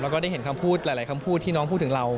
แล้วก็ได้เห็นคำพูดหลายคำพูดที่น้องพูดถึงเรา